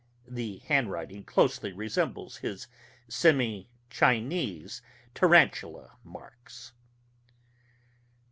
The handwriting closely resembles his semi Chinese tarantula tracks.